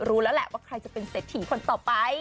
รู้แล้วแหละว่าใครจะเป็นเศรษฐีคนต่อไป